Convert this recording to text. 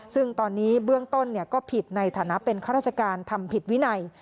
ซึ่งตอนนี้เบื้องต้นก็ผิดในฐานะเป็นข้าราชการทำผิดวินัย